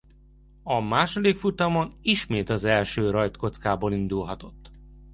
A második futamon ismét az első rajtkockából indulhatott.